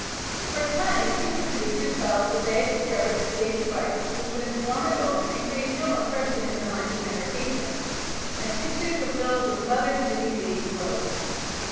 For a time picture producers felt that they had discovered a safe device which would inform adults and create no impression in the minds of younger patrons, and pictures were filled with mothers knitting baby clothes.